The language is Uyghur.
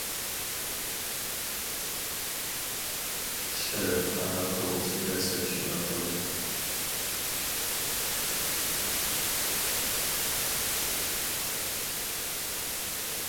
ئىشقىلىپ قانداق قىلغۇسى كەلسە شۇنداق قىلدى.